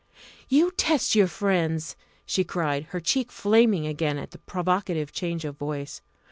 "You test your friends!" she cried, her cheek flaming again at the provocative change of voice.